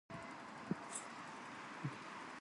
The town of Farmersville is on the south.